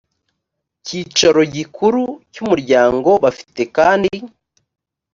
cyicaro gikuru cy umuryango bafite kandi